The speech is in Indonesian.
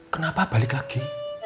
kenapa balik lagi